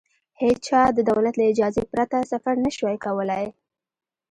هېچا د دولت له اجازې پرته سفر نه شوای کولای.